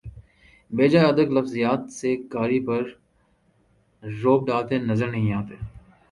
بے جا ادق لفظیات سے قاری پر رعب ڈالتے نظر نہیں آتے